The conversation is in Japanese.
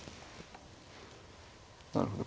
なるほど。